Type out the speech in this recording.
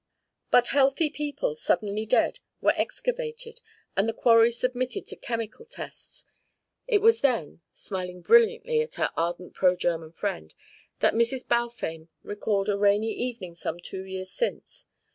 But healthy people, suddenly dead, were excavated and the quarry submitted to chemical tests; it was then smiling brilliantly at her ardent pro German friend that Mrs. Balfame recalled a rainy evening some two years since.